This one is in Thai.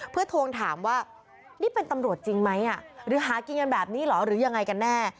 เพื่อทวงถามว่านี่เป็นตำรวจจริงไหมหรือหากินกันแบบนี้เหรอหรือยังไงกันแน่